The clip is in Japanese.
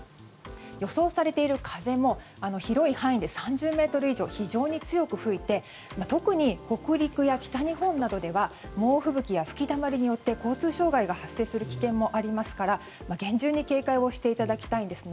予想されている風も広い範囲で３０メートル以上と非常に強く吹いて特に北陸や北日本などでは猛吹雪や吹きだまりによって交通障害が発生する危険もありますから厳重に警戒をしていただきたいです。